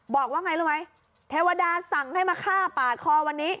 บอกว่าไงรู้ไหมเทวดาสั่งให้มาฆ่าปาดคอวันนี้